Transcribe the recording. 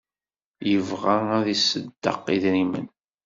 Yebɣa ad iṣeddeq idrimen.